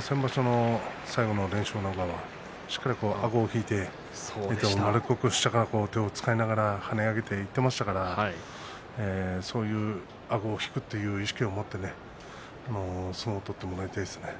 先場所の最後の連勝なんかはしっかりあごを引いて丸くしたから手を使いながら跳ね上げていきましたからあごを引くという意識を持って相撲を取ってもらいたいですね。